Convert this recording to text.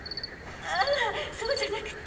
ああそうじゃなくて！